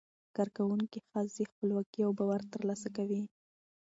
کارکوونکې ښځې خپلواکي او باور ترلاسه کوي.